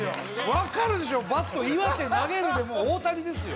分かるでしょ「バット」「いわて」「なげる」でもう「大谷」ですよ